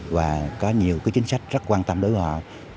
và có nhiều cái chính sách rất quan tâm đối với họ